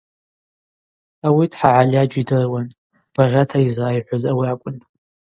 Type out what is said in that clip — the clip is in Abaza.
Ауи Тхӏагӏальаджь йдыруан, багъьата йызрайхӏвуаз ауи акӏвын.